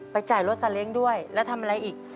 จ่ายรถซาเล้งด้วยแล้วทำอะไรอีก